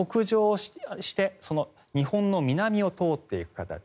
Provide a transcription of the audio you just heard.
北上して日本の南を通っていく形。